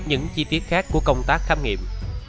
những chi tiết khác của công tác khám nghiệm